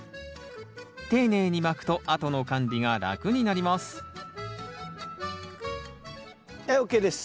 丁寧にまくとあとの管理が楽になりますはいＯＫです。